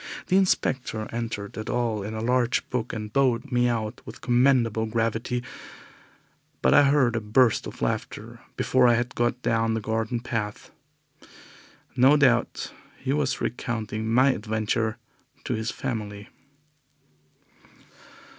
The inspector entered it all in a large book and bowed me out with commendable gravity, but I heard a burst of laughter before I had got down his garden path. No doubt he was recounting my adventure to his family.